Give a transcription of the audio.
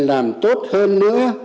làm tốt hơn nữa